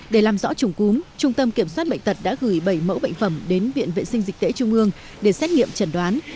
để làm rõ trùng cúm trung tâm kiểm soát bệnh tật đã gửi bảy mẫu bệnh phẩm đến viện vệ sinh dịch tễ trung ương để xét nghiệm chẩn đoán